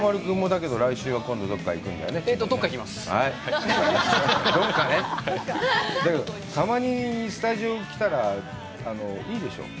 だけど、たまにスタジオに来たら、いいでしょう？